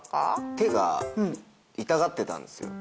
手痛がってたんです。